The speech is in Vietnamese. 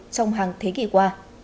trong hàng thế kỷ qua